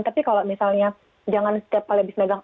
tapi kalau misalnya jangan setiap kali habis megang